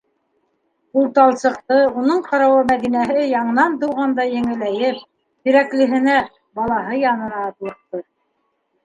Ул талсыҡты, уның ҡарауы Мәҙинәһе, яңынан тыуғандай еңеләйеп, Тирәклеһенә - балаһы янына атлыҡты.